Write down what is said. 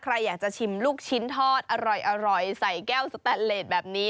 ใครอยากจะชิมลูกชิ้นทอดอร่อยใส่แก้วสแตนเลสแบบนี้